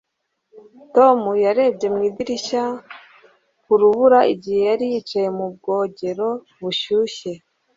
tom yarebye mu idirishya ku rubura igihe yari yicaye mu bwogero bushyushye